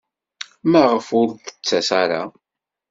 Maɣef ur d-tettas ara?